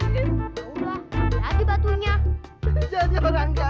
ya kita mau ke sana